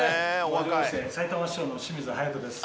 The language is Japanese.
はじめましてさいたま市長の清水勇人です。